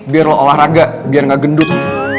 biar lo olahraga biar gak gendut